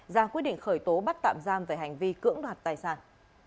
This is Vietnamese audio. ra quyết định khởi tố bắt tạm giam về hành vi cưỡng đoạt tài sản